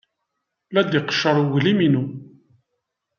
La d-iqeccer uglim-inu.